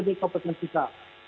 dari keputusan sika